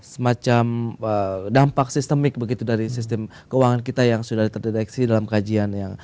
semacam dampak sistemik begitu dari sistem keuangan kita yang sudah terdeteksi dalam kajian yang